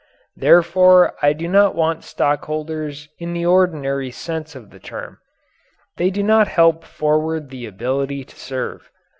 Therefore I do not want stockholders in the ordinary sense of the term they do not help forward the ability to serve.